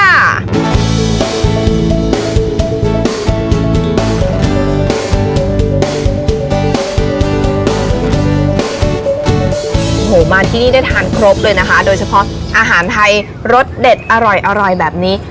โอ้โหมาที่นี่ได้ทานครบเลยนะคะโดยเฉพาะอาหารไทยรสเด็ดอร่อยแบบนี้